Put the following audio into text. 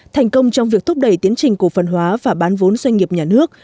thành công trong việc thúc đẩy tiến trình cổ phần hóa và bán vốn doanh nghiệp nhà nước